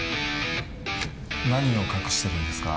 何を隠してるんですか？